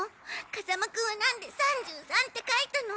風間くんはなんで３３って書いたの？